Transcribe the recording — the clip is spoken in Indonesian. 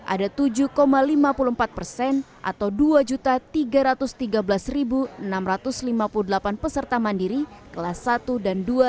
ada tujuh lima puluh empat persen atau dua tiga ratus tiga belas enam ratus lima puluh delapan peserta mandiri kelas satu dan dua